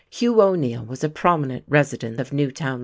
Hugh O'Neale was a prominent resident of Newtown, L.